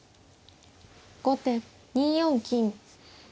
後手２四金。